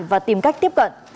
và tìm cách tiếp cận